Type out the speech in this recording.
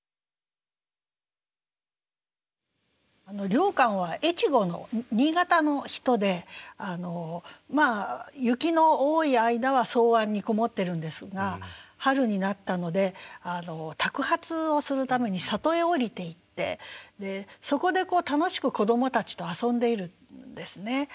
良寛は越後の新潟の人で雪の多い間は草庵に籠もってるんですが春になったので托鉢をするために里へ下りていってそこで楽しく子どもたちと遊んでいるんですね。